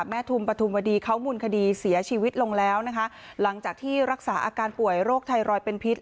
ทุมปฐุมวดีเขามูลคดีเสียชีวิตลงแล้วนะคะหลังจากที่รักษาอาการป่วยโรคไทรอยด์เป็นพิษ